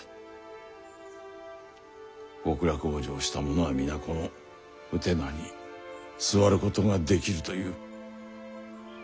極楽往生した者は皆このうてなに座ることができるという。